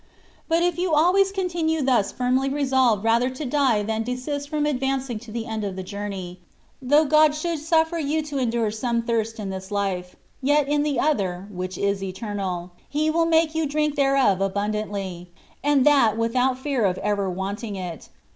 And if you always continue thus firmly resolved rather to die than desist from advancing to the end of the journey, though God should suflfer you to endure some thirst in this life ; yet in the other, which is eternal. He will make you drink thereof abundantly, and that without fear of ever wanting it.